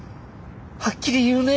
はっきり言うね。